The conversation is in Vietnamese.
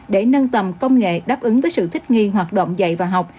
để nâng tầm công nghệ đáp ứng với sự thích nghi hoạt động dạy và học